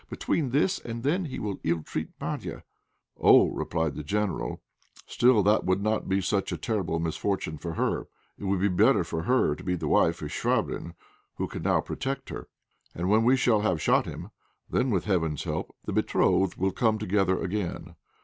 "Between this and then he will ill treat Marya." "Oh!" replied the General. "Still that would not be such a terrible misfortune for her. It would be better for her to be the wife of Chvabrine, who can now protect her. And when we shall have shot him, then, with heaven's help, the betrothed will come together again.